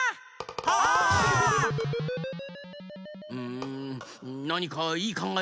んなにかいいかんがえはないか？